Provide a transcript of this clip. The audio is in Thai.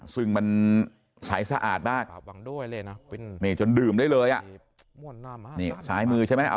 ซึ่งมันสายสะอาดมากจนดื่มได้เลยนี่สายมือใช่ไหม